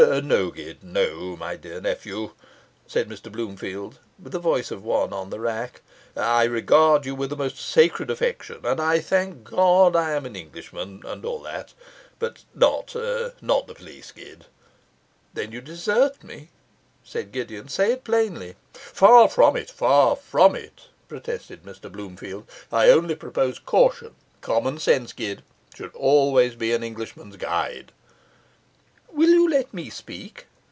'No, Gid no, my dear nephew,' said Mr Bloomfield, with the voice of one on the rack. 'I regard you with the most sacred affection; and I thank God I am an Englishman and all that. But not not the police, Gid.' 'Then you desert me?' said Gideon. 'Say it plainly.' 'Far from it! far from it!' protested Mr Bloomfield. 'I only propose caution. Common sense, Gid, should always be an Englishman's guide.' 'Will you let me speak?